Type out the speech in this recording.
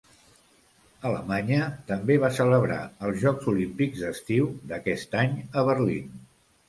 Alemanya també va celebrar els Jocs Olímpics d'Estiu d'aquest any a Berlín.